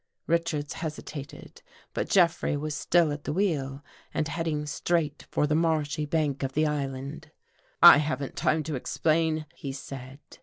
Richards hesitated, but Jeffrey was still at the wheel and heading straight for the marshy bank of the island. " I haven't time to explain," he said.